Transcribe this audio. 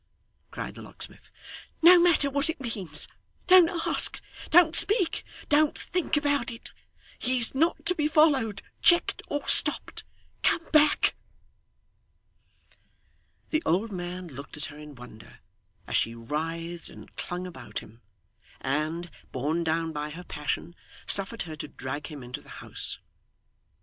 cried the locksmith. 'No matter what it means, don't ask, don't speak, don't think about it. He is not to be followed, checked, or stopped. Come back!' The old man looked at her in wonder, as she writhed and clung about him; and, borne down by her passion, suffered her to drag him into the house.